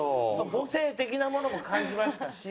母性的なものも感じましたし